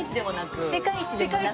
世界一でもなく。